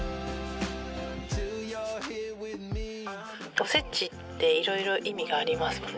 「おせちっていろいろ意味がありますもんね」。